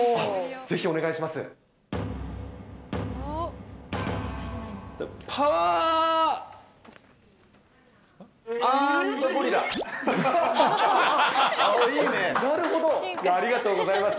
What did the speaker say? ぜひお願いします。